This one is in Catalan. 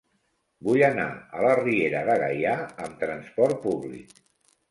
Vull anar a la Riera de Gaià amb trasport públic.